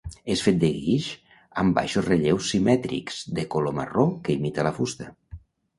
És fet de guix amb baixos relleus simètrics de color marró que imita la fusta.